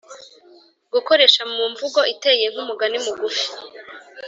gukoresha mu mvugo iteye nk’umugani mugufi